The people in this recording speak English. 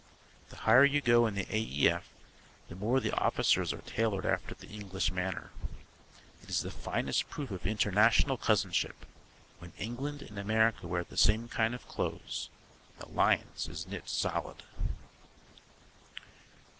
The higher you go in the A. E. F. the more the officers are tailored after the English manner. It is the finest proof of international cousinship. When England and America wear the same kind of clothes, alliance is knit solid.